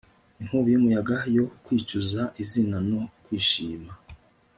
Inkubi yumuyaga yo kwicuza izina no kwishima